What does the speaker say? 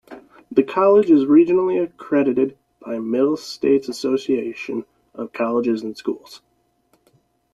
The college is regionally accredited by Middle States Association of Colleges and Schools.